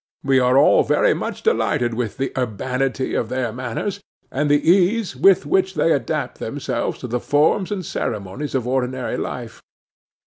We are all very much delighted with the urbanity of their manners, and the ease with which they adapt themselves to the forms and ceremonies of ordinary life.